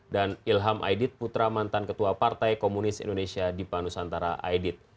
dan ilham aidit putra mantan ketua partai komunis indonesia di panusantara aidit